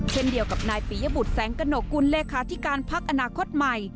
เช่นเดียวกับนายปียบุตรแสงกระหนกกุลเลขาธิการพักอนาคตใหม่